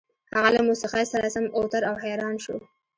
هغه له موسيقۍ سره سم اوتر او حيران شو.